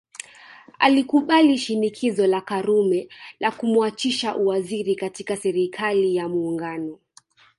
Alikubali shinikizo la Karume la kumwachisha uwaziri katika Serikali ya Muungano